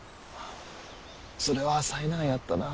それは災難やったなぁ。